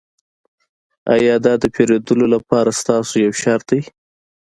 ایا دا د پیرودلو لپاره ستاسو یو شرط دی